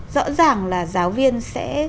rõ ràng là giáo viên sẽ